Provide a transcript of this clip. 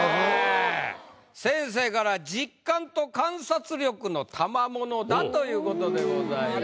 先生から「実感と観察力の賜物」だということでございます。